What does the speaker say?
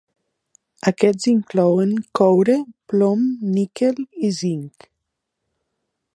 Aquests inclouen coure, plom, níquel i zinc.